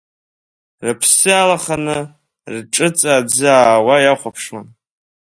Рыԥсы алаханы, рҿыҵа аӡы аауа иахәаԥшуан.